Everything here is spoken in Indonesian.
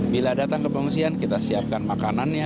bila datang ke pengungsian kita siapkan makanannya